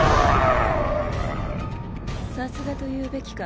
さすがと言うべきか。